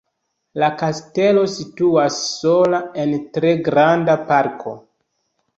La kastelo situas sola en tre granda parko.